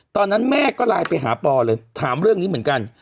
ตอนนั้นแม่ก็ไลน์ไปหาปอเลยถามเรื่องนี้เหมือนกัน